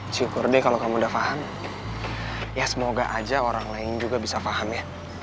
syukur deh kalau kamu udah paham ya semoga aja orang lain juga bisa paham ya